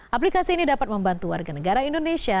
aplikasi ini dapat membantu warga negara indonesia